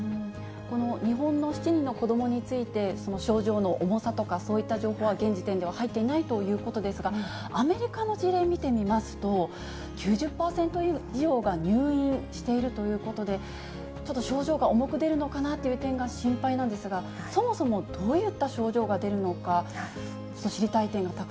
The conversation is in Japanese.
この日本の７人の子どもについて、症状の重さとか、そういった情報は、現時点では入っていないということですが、アメリカの事例見てみますと、９０％以上が入院しているということで、ちょっと症状が重く出るのかなという点が心配なんですが、そもそもどういった症状が出るのか、そうですね。